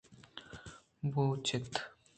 بُوچت